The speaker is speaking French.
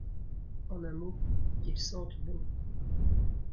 En un mot, qu'il sente bon.